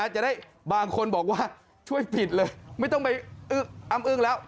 จะได้บางคนบอกว่าช่วยผิดเลยไม่ต้องไปอ้ำอึ้งแล้ว